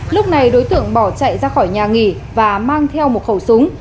lúc này đối tượng bỏ chạy ra khỏi nhà nghỉ và mang theo một khẩu súng